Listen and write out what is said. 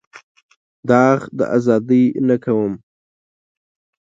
داغ د ازادۍ نه کوم.